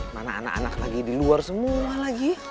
mana anak anak lagi di luar semua lagi